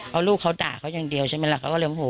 เพราะลูกเขาด่าเขาอย่างเดียวใช่ไหมล่ะเขาก็เลยโมโห